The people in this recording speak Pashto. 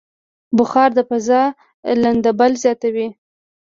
بخار د فضا لندبل زیاتوي.